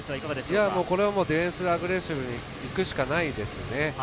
これはディフェンスがアグレッシブにいくしかないですね。